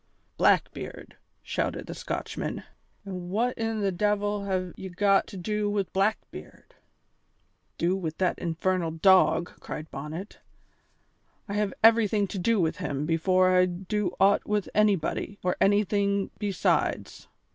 "Blackbeard!" shouted the Scotchman, "an' what in the de'il have ye got to do wi' Blackbeard?" "Do with that infernal dog?" cried Bonnet, "I have everything to do with him before I do aught with anybody or anything besides.